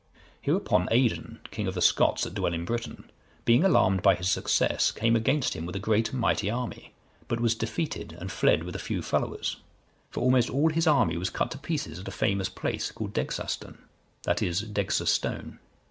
(140) Hereupon, Aedan, king of the Scots that dwell in Britain,(141) being alarmed by his success, came against him with a great and mighty army, but was defeated and fled with a few followers; for almost all his army was cut to pieces at a famous place, called Degsastan, that is, Degsa Stone.